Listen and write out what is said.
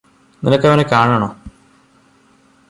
നിനക്കവനെ കാണണോ